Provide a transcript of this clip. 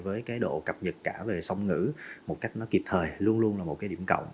với độ cập nhật cả về sông ngữ một cách kịp thời luôn là một điểm cộng